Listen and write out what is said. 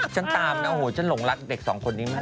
ฉันตามนะฉันหลงรักเด็กสองคนนี้มาก